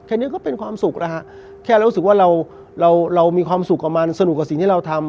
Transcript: นี้ก็เป็นความสุขนะฮะแค่เรารู้สึกว่าเราเรามีความสุขกับมันสนุกกับสิ่งที่เราทำ